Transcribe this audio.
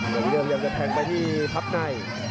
แล้วพี่เรียมจะแทงไปที่พับใน